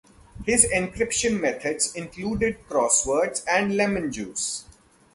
His encryption methods included crosswords and lemon juice.